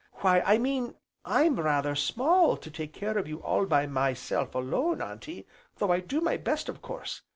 "Why I mean I'm rather small to take care of you all by myself alone, Auntie, though I do my best of course.